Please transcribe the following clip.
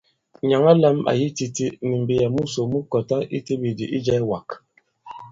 Nyǎŋ a lām àyi titī, nì m̀mbìyà musò mu kɔtā i teɓèdì̀ i ijɛ̄ɛ̄wàgà.